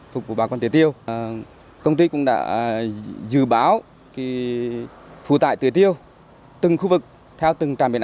phục vụ bà con tưới tiêu công ty cũng đã dự báo phủ tại tưới tiêu từng khu vực theo từng trạm biến